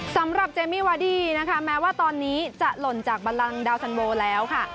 สำหรับเจมมี่วาดี้นะคะแม้ว่าตอนนี้จะหล่นจากบันลังดาวสันโวแล้วค่ะ